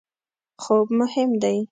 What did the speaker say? خوب مهم دی